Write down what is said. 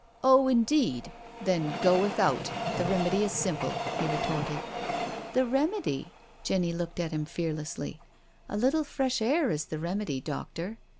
" Oh, indeed— then go without— the remedy is simple," he retorted. "The remedy?" Jenny looked at him fearlessly. " A little fresh air is the remedy, doctor.